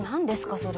それ。